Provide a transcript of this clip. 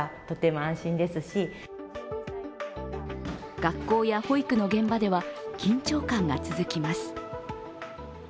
学校や保育の現場では緊張感が続きます。